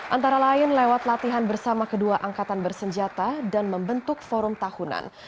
antara lain lewat latihan bersama kedua angkatan bersenjata dan membentuk forum tahunan